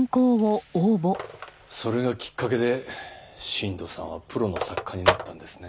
それがきっかけで新道さんはプロの作家になったんですね。